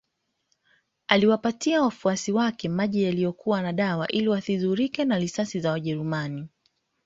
Aliwapatia wafuasi wake maji yaliyo na dawa ili wasidhurike na risasi za wajerumani